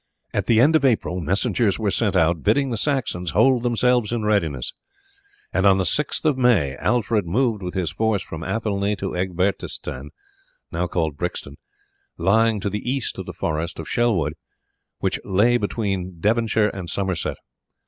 At the end of April messengers were sent out bidding the Saxons hold themselves in readiness, and on the 6th of May Alfred moved with his force from Athelney to Egbertesstan (now called Brixton), lying to the east of the forest of Selwood, which lay between Devonshire and Somerset.